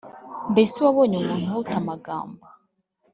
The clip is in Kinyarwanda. mbese wabonye umuntu uhuta amagambo’